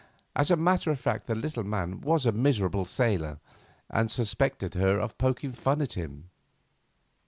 As a matter of fact the little man was a miserable sailor and suspected her of poking fun at him.